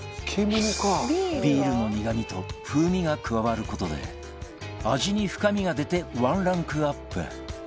ビールの苦みと風味が加わる事で味に深みが出てワンランクアップ